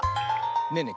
ねえねえ